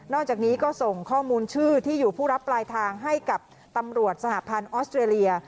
จากนี้ก็ส่งข้อมูลชื่อที่อยู่ผู้รับปลายทางให้กับตำรวจสหพันธ์ออสเตรเลีย